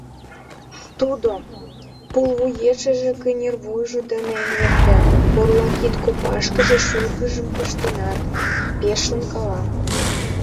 Тудо, пулвуешыже кынервуйжо дене эҥертен, пурла кид копашкыже шӱргыжым пыштенат, пеш шонкала.